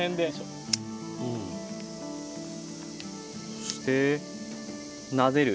そしてなでる。